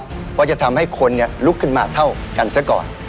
เพราะจะทำให้คนลุกขึ้นมาเท่ากันซะก่อน